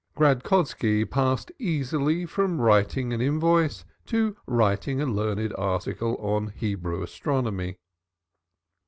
Gradkoski passed easily from writing an invoice to writing a learned article on Hebrew astronomy.